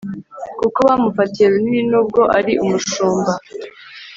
kuko bamufatiye runini nubwo ari abashumba